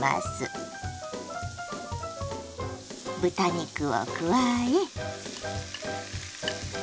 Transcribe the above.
豚肉を加え。